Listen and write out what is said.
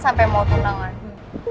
sampai mau tunang lah